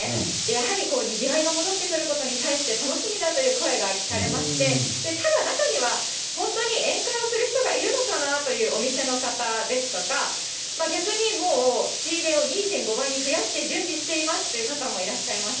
やはりにぎわいが戻ってきてくれることに対して楽しみだという声が聞かれまして、ただ中には、本当に宴会をする人がいるのかなというお店の方ですとか、逆にもう仕入れを２．５倍に増やして準備していますという方もいらっしゃいました。